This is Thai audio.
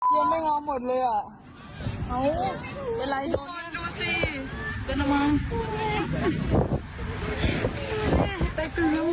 ยังไม่ง้าหมดเลยอ่ะอ๋อเป็นไรดูสิ